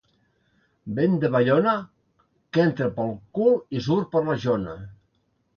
Vent de Baiona [que entra pel cul i surt per la xona].